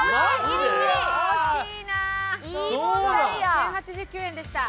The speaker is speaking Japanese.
１０８９円でした。